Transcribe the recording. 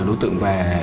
đối tượng về